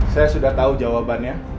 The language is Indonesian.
saya sudah tahu jawabannya